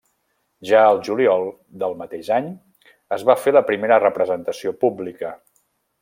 Ja el juliol del mateix any es va fer la primera representació pública.